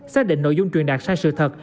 xác định nội dung truyền đạt sai sự thật